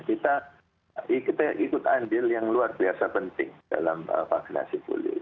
kita ikut andil yang luar biasa penting dalam vaksinasi pulih